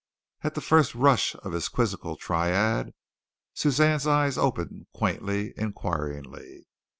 At the first rush of his quizzical tirade Suzanne's eyes opened quaintly, inquiringly.